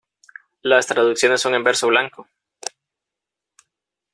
Las traducciones son en verso blanco.